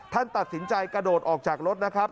ท่านตัดสินใจกระโดดออกจากรถนะครับ